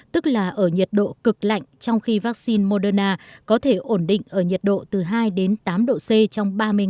tức là ở nhiệt độ cực lạnh trong khi vaccine moderna có thể ổn định ở nhiệt độ từ hai đến tám độ